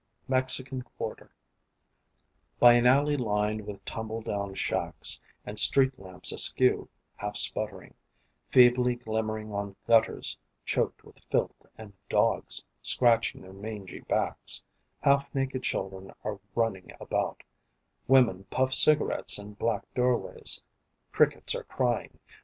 MEXICAN QUARTER By an alley lined with tumble down shacks And street lamps askew, half sputtering, Feebly glimmering on gutters choked with filth and dogs Scratching their mangy backs: Half naked children are running about, Women puff cigarettes in black doorways, Crickets are crying.